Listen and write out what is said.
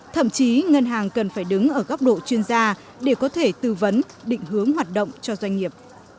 thậm chí ngân hàng cần phải đứng ở góc độ chuyên gia để có thể tư vấn định hướng hoạt động cho doanh nghiệp